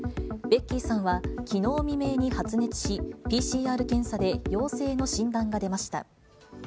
ベッキーさんはきのう未明に発熱し、ＰＣＲ検査で陽性の診断が出ました。